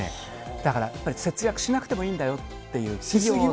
だから、やっぱり節約しなくてもいいんだよっていう。